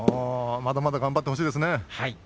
まだまだ頑張ってほしいですね。